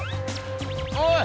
おい！